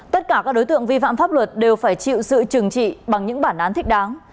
tất cả các đối tượng vi phạm pháp luật đều phải chịu sự trừng trị bằng những bản án thích đáng